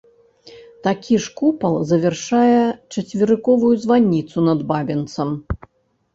Такі ж купал завяршае чацверыковую званіцу над бабінцам.